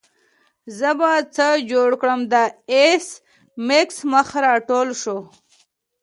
زه به څه جوړ کړم د ایس میکس مخ راټول شو